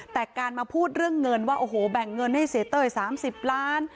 แต่การมาพูดเรื่องเงินว่าโอ้โหแบ่งเงินให้เสียเต้ย๓๐ล้าน